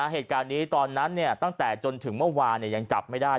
เหตุการณ์นี้ตอนนั้นตั้งแต่จนถึงเมื่อวานยังจับไม่ได้